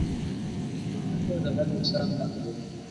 زده کړه د هر انسان حق دی.